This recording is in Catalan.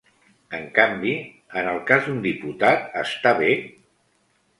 En canvi, en el cas d’un diputat està bé?